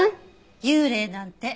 幽霊なんて。